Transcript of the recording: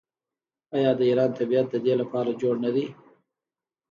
آیا د ایران طبیعت د دې لپاره جوړ نه دی؟